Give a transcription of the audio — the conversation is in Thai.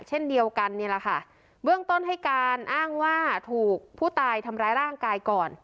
เช่นเดียวกันนี่แหละค่ะเบื้องต้นให้การอ้างว่าถูกผู้ตายทำร้ายร่างกายก่อน